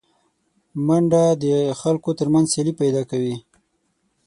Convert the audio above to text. منډه د خلکو تر منځ سیالي پیدا کوي